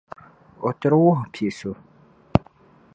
O tiri wuhi piɛ’ so.